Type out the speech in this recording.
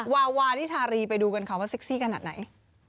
วาววานิชารีไปดูกันเขาว่าเซ็กซี่กระดัดไหน